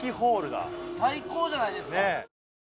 最高じゃないですかねえ